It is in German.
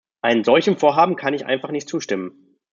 Einem solchen Vorhaben kann ich einfach nicht zustimmen.